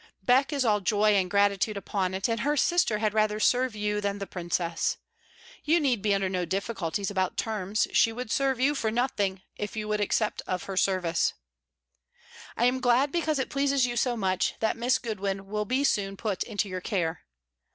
Beck is all joy and gratitude upon it, and her sister had rather serve you than the princess. You need be under no difficulties about terms: she would serve you for nothing, if you would accept of her service. I am glad, because it pleases you so much, that Miss Goodwin will be soon put into your care.